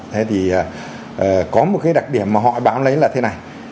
thế thì có một cái đặc điểm mà họ báo lấy là thế này